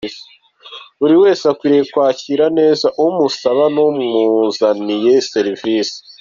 Buri wese akwiriye kwakira neza umusaba n’umuzaniye serivisi.